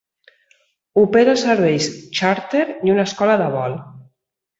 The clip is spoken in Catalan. Opera serveis xàrter i una escola de vol.